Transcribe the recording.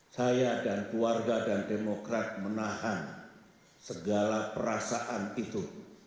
saya dan keluarga dan demokrat menahan segala perasaan itu